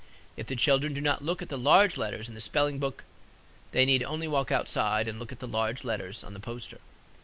If the children do not look at the large letters in the spelling book, they need only walk outside and look at the large letters on the poster.